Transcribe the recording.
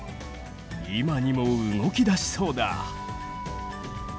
今にも動き出しそうだ。